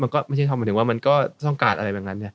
มันก็ไม่ใช่หมายถึงว่ามันก็ต้องการอะไรแบบนั้นไง